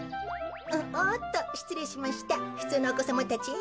おっとしつれいしましたふつうのおこさまたち。